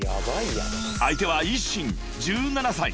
［相手はＩＳＳＩＮ１７歳］